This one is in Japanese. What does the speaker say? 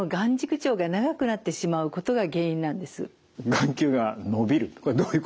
眼球が伸びるこれどういうことなんですか？